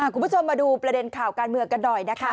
คุณผู้ชมมาดูประเด็นข่าวการเมืองกันหน่อยนะคะ